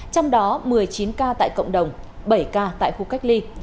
trong đó một mươi chín ca tại cộng đồng bảy ca tại khu cách ly